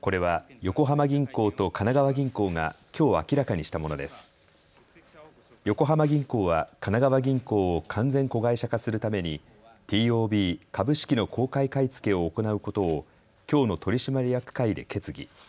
横浜銀行は神奈川銀行を完全子会社化するためにＴＯＢ・株式の公開買い付けを行うことをきょうの取締役会で決議。